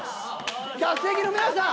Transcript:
客席の皆さん。